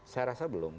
saya rasa belum